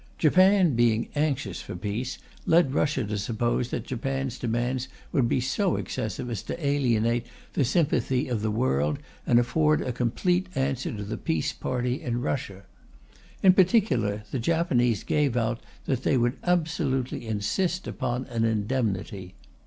Japan, being anxious for peace, led Russia to suppose that Japan's demands would be so excessive as to alienate the sympathy of the world and afford a complete answer to the peace party in Russia. In particular, the Japanese gave out that they would absolutely insist upon an indemnity.